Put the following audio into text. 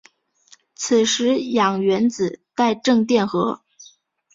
此时氧原子带正电荷。